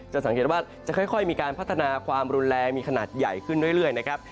สังเกตว่าจะค่อยมีการพัฒนาความรุนแรงมีขนาดใหญ่ขึ้นเรื่อยนะครับ